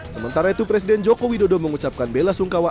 sementara itu presiden joko widodo mengucapkan bela sungkawa